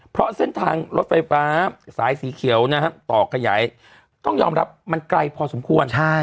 เพราะเส้นทางรถไฟฟ้าสายสีเขียวนะฮะต่อขยายต้องยอมรับมันไกลพอสมควร